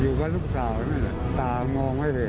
อยู่กับลูกสาวนี่ตามองไม่เห็นน่ะ